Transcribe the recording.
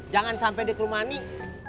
jangan sampai dikrumah nih